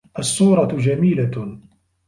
الصُّورَةُ جَمِيلَةُ.